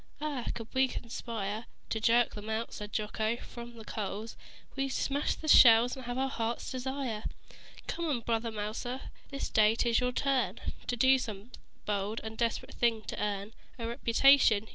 "Ah! Could we conspire To jerk them out," said Jocko, "from the coals, We'd smash the shells and have our heart's desire. "Come, Brother Mouser! This day 'tis your turn To do some bold and desperate thing to earn A reputation.